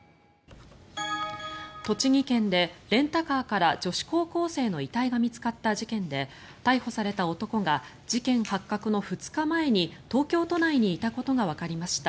栃木県でレンタカーから女子高校生の遺体が見つかった事件で逮捕された男が事件発覚の２日前に東京都内にいたことがわかりました。